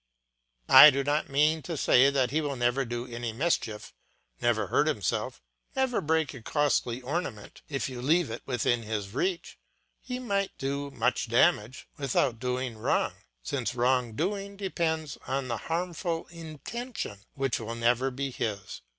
I do not mean to say that he will never do any mischief, never hurt himself, never break a costly ornament if you leave it within his reach. He might do much damage without doing wrong, since wrong doing depends on the harmful intention which will never be his.